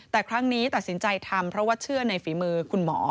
แต่ครั้งนี้ตัดสินใจทำเพราะว่าเชื่อในฝีมือคุณหมอ